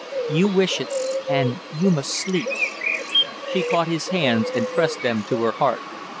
You wish it and you must sleep " She caught his hands and pressed them to her heart.